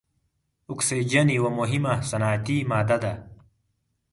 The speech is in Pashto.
اکسیجن یوه مهمه صنعتي ماده ده.